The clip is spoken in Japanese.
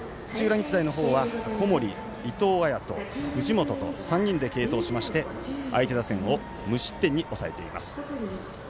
日大の方は小森、伊藤彩斗藤本と３人で継投しまして相手打線を無失点に抑えています。